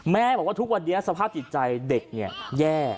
แม่บอกว่าทุกวันเดียวสภาพจิตใจเด็กเนี่ยแย่